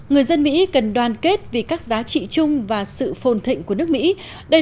người dân mỹ cần đoàn kết vì các giá trị chung và sự phồn thịnh của nước mỹ đây